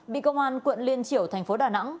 bị công an quận liên triểu thành phố đà nẵng